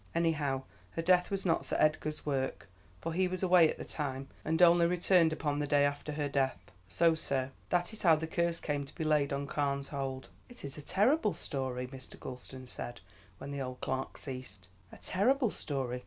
Anyhow, her death was not Sir Edgar's work, for he was away at the time, and only returned upon the day after her death. So, sir, that is how the curse came to be laid on Carne's Hold." "It is a terrible story," Mr. Gulston said, when the old clerk ceased; "a terrible story.